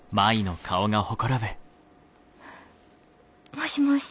もしもし。